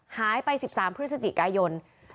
หายไป๑๓พฤศจิกายน